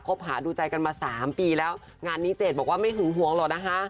บหาดูใจกันมา๓ปีแล้วงานนี้เจดบอกว่าไม่หึงหวงหรอกนะคะ